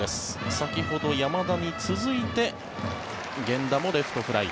先ほど山田に続いて源田もレフトフライ。